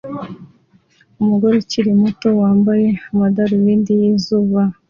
Umugore ukiri muto wambaye amadarubindi yizuba